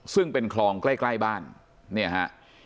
ซึ่งเป็นคลองใกล้บ้านเนี่ยฮะ